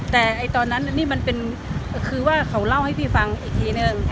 แต่ตอนนั้นนี่มันเป็นคือว่าเขาเล่าให้พี่ฟังอีกทีนึง